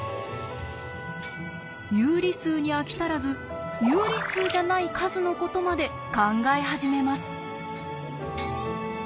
有理数に飽き足らず有理数じゃない数のことまで考え始めます。